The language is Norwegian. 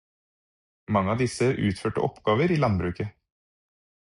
Mange av disse utførte oppgaver i landbruket.